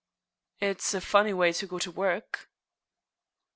"It's a funny way to go to work."